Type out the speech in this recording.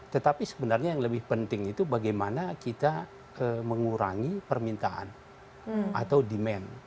tetapi sebenarnya yang lebih penting itu bagaimana kita mengurangi permintaan atau demand